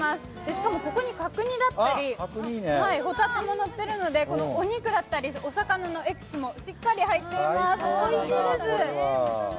しかもここに角煮だったりほたてものってるのでお肉だったりお魚のエキスもしっかり入っていておいしいです。